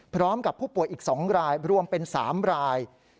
พร้อมกับผู้ป่วยอีก๒รายรวมเป็น๓ราย